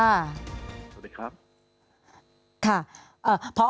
สวัสดีครับ